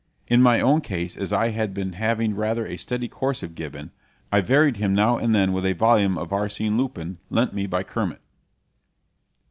In my own case, as I had been having rather a steady course of Gibbon, I varied him now and then with a volume of Arsene Lupin lent me by Kermit.